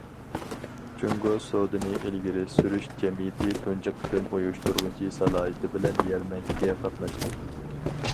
جۇڭگو سودىنى ئىلگىرى سۈرۈش جەمئىيىتى تۇنجى قېتىم ئۇيۇشتۇرغۇچى سالاھىيىتى بىلەن يەرمەنكىگە قاتناشتى.